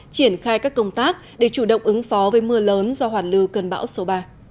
triển khai các công tác để chủ động ứng phó với mưa lớn do hoàn lưu cơn bão số ba